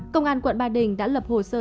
công an quận ba đình đã lập hồ sơ